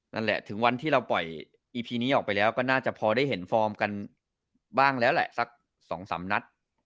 นั่นแหละถึงวันที่เราปล่อยอีพีนี้ออกไปแล้วก็น่าจะพอได้เห็นฟอร์มกันบ้างแล้วแหละสัก๒๓นัด